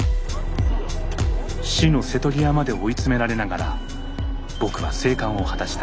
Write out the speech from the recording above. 死の瀬戸際まで追い詰められながら僕は生還を果たした。